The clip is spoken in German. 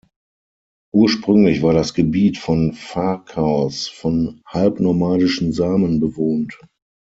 Ursprünglich war das Gebiet von Varkaus von halbnomadischen Samen bewohnt.